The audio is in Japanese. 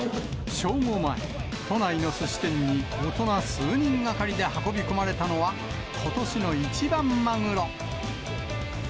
正午前、都内のすし店に、大人数人がかりで運び込まれたのは、ことしの一番マグロ。